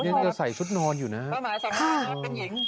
เหมือนกันจะใส่ชุดนอนอยู่นะครับ